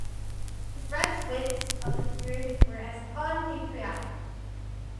The French wits of the period were as unpatriotic.